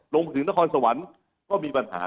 ลงถึงนครสวรรค์ก็มีปัญหา